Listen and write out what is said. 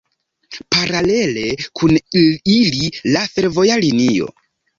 Paralele kun ili la fervoja linio.